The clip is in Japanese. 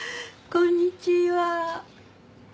こんにちは。